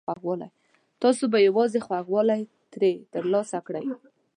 تاسو به یوازې خوږوالی ترې ترلاسه کړئ.